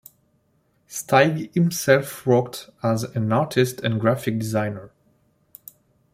Steig himself worked as an artist and graphic designer.